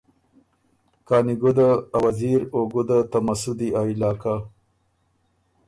کانی ګُده ا وزیر او ګُده ته مسُودی آ علاقۀ